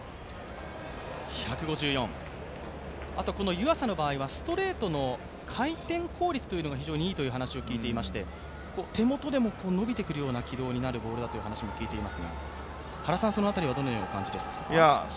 湯浅の場合はストレートの回転効率が非常にいいという話を聞いていまして、手元でも伸びてくるような軌道になるようなボールだと聞いていますが、原さん、その辺りはどのような感じですか？